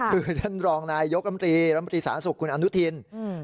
คือท่านรองนายยกรัฐมนตรีสาธารณสุขคุณอนุทิน